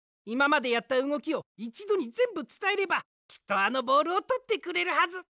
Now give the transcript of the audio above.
いままでやったうごきをいちどにぜんぶつたえればきっとあのボールをとってくれるはず！